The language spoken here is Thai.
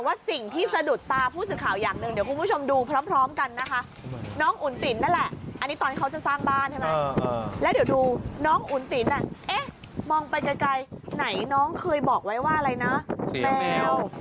เขาจะสร้างบ้านใช่ไหมแล้วเดี๋ยวดูน้องอุ่นตินมองไปไกลไหนน้องเคยบอกไว้ว่าอะไรนะแมว